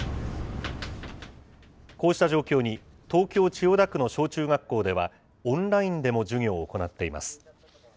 こうした状況に、東京・千代田区の小中学校では、オンラインでも授業を行っています。